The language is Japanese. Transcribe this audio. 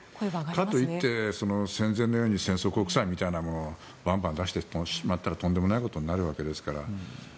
かといって戦前のように戦争国債みたいなものバンバン出してしまったらとんでもないことになるわけですから。